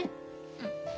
うん。